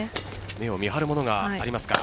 目を見張るものがありますか。